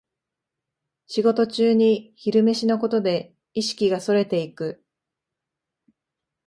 仕事中に昼飯のことで意識がそれていく